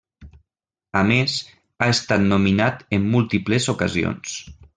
A més, ha estat nominat en múltiples ocasions.